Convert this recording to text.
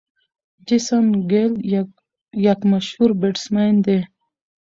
جیسن ګيل یک مشهور بيټسمېن دئ.